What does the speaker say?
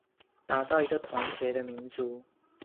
打造一個團結的民主